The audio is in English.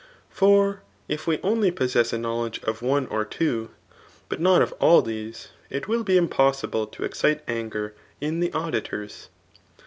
For if we only possess ^ knpwledge of op6 or two, but not of all. these, it will be impossible to excite anger [in theau^ ditqrs.